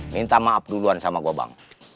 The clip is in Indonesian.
minta maaf duluan sama goba bang